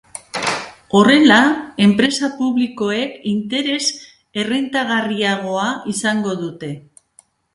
Horrela, enpresa publikoek interes errentagarriagoa izango dute.